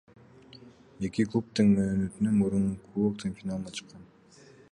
Эки клуб тең мөөнөтүнөн мурун Кубоктун финалына чыккан.